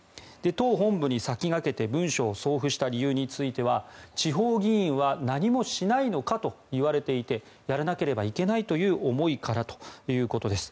党本部に先駆けて文書を送付した理由については地方議員は何もしないのかといわれていてやらなければいけないという思いからということです。